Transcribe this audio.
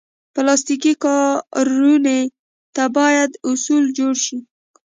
پلاستيکي کارونې ته باید اصول جوړ شي.